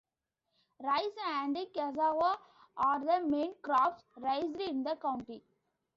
Rice and cassava are the main crops raised in the county.